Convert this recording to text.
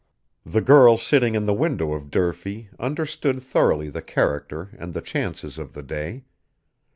The girl sitting in the window of Durfee understood thoroughly the character and the chances of the day.